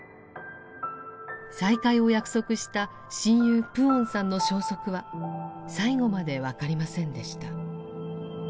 再会を約束した親友・プオンさんの消息は最後まで分かりませんでした。